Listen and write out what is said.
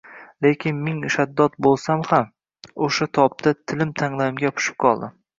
lekin ming shaddod boʼlsam ham oʼsha tobda tilim tanglayimga yopishib qoldi.